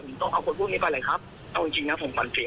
ผมต้องเอาคนพวกนี้ไปเลยครับเอาจริงจริงนะผมฝันผิด